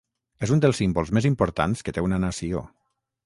És un dels símbols més importants que té una nació.